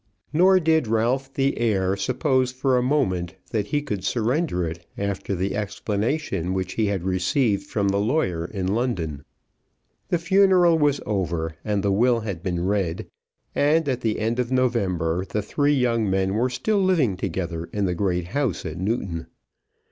Nor did Ralph the heir suppose for a moment that he could surrender it after the explanation which he had received from the lawyer in London. The funeral was over, and the will had been read, and at the end of November the three young men were still living together in the great house at Newton.